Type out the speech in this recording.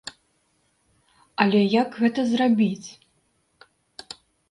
Але як гэта зрабіць?